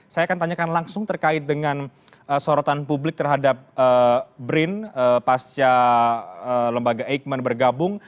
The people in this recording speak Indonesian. saya akan tanyakan langsung terkait dengan sorotan publik terhadap brin pasca lembaga eijkman bergabung